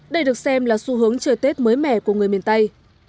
đây được xem là xu hướng chơi tết mới mẻ của người miền tây